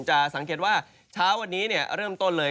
จะสังเกตว่าเช้าวันนี้เริ่มต้นเลย